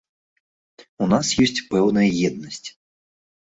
У нас ёсць пэўная еднасць.